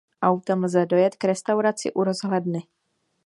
Autem lze dojet k restauraci u rozhledny.